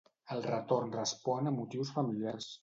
El retorn respon a motius familiars.